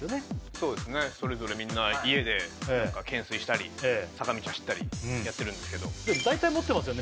そうですねそれぞれみんな家で懸垂したり坂道走ったりやってるんですけどだいたい持ってますよね